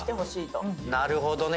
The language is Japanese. なるほどね。